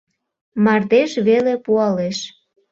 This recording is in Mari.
Мардеж веле пуалеш.